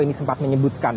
ini sempat menyebutkan